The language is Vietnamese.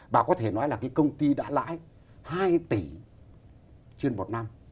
và có thể nói là cái công ty đã lãi hai tỷ trên một năm